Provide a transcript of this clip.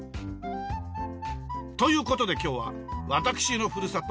という事で今日は私のふるさと